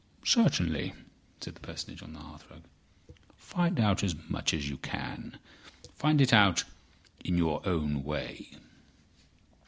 "Certainly," said the Personage on the hearthrug. "Find out as much as you can; find it out in your own way."